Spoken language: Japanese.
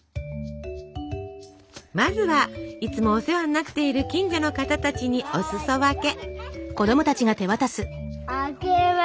まずはいつもお世話になっている近所の方たちにお裾分け。